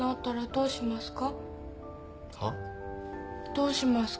どうしますか？